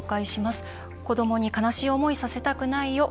子どもに悲しい思いをさせたくないよ。